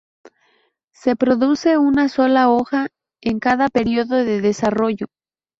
Se produce una sola hoja en cada periodo de desarrollo.